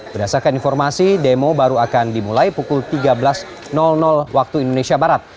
berdasarkan informasi demo baru akan dimulai pukul tiga belas waktu indonesia barat